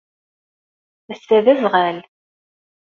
Ass-a d aẓɣal.